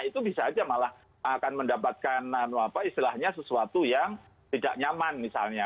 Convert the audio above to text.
itu bisa aja malah akan mendapatkan istilahnya sesuatu yang tidak nyaman misalnya